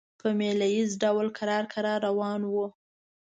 په مېله ییز ډول کرار کرار روان وو.